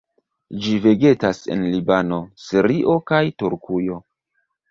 Ĝi vegetas en Libano, Sirio, kaj Turkujo.